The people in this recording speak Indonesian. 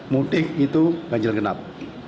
mudik itu ganjil genap